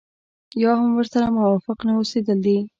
يا هم ورسره موافق نه اوسېدل دي.